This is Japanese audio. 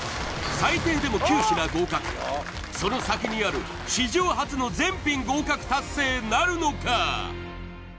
最低でも９品合格その先にある史上初の全品合格達成なるのか！？